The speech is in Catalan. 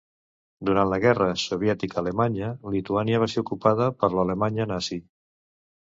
Durant la guerra soviètic-alemanya, Lituània va ser ocupada per l'Alemanya nazi.